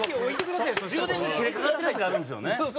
充電が切れかかってるやつがあるんですよね。